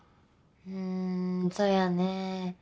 うんそやね。